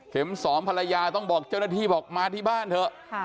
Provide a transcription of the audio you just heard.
สองภรรยาต้องบอกเจ้าหน้าที่บอกมาที่บ้านเถอะ